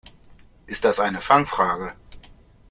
Ist das eine Fangfrage?